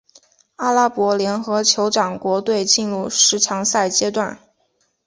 阿拉伯联合酋长国队进入十强赛阶段。